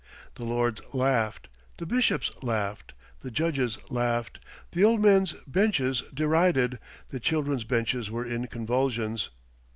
The lords laughed, the bishops laughed, the judges laughed, the old men's benches derided, the children's benches were in convulsions.